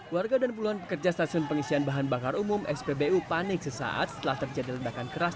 warga dan puluhan pekerja stasiun pengisian bahan bakar umum spbu panik sesaat setelah terjadi ledakan keras